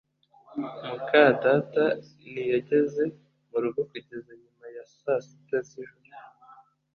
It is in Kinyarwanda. muka data ntiyageze mu rugo kugeza nyuma ya saa sita z'ijoro